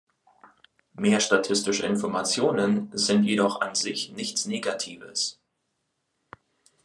Mehr statistische Informationen sind jedoch an sich nichts Negatives.